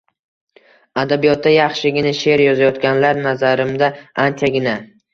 Adabiyotda yaxshigina she`r yozayotganlar, nazarimda, anchagina